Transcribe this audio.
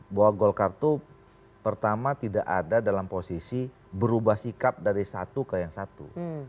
bahwa golkar itu pertama tidak ada dalam posisi berubah sikap dari satu ke yang satu